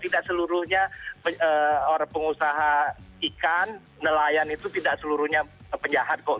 tidak seluruhnya pengusaha ikan nelayan itu tidak seluruhnya penjahat kok